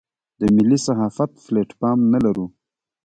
د ملي صحافت پلیټ فارم نه لرو.